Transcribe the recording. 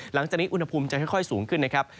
หลังจากนี้อุณหภูมิจะค่อยสูงขึ้นนะครับ